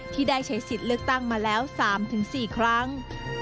ที่ได้ใช้สิทธิ์เลือกตั้งมาแล้ว๓๔ครั้ง